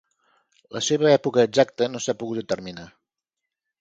La seva època exacta no s'ha pogut determinar.